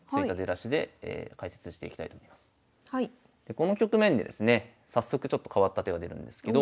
この局面でですね早速ちょっと変わった手が出るんですけど。